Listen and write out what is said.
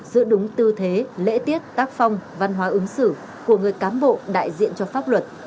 giữ đúng tư thế lễ tiết tác phong văn hóa ứng xử của người cám bộ đại diện cho pháp luật